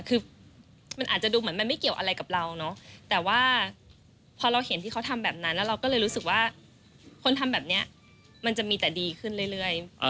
คือมันอาจจะดูเหมือนมันไม่เกี่ยวอะไรกับเราเนอะแต่ว่าพอเราเห็นที่เขาทำแบบนั้นแล้วเราก็เลยรู้สึกว่าคนทำแบบนี้มันจะมีแต่ดีขึ้นเรื่อย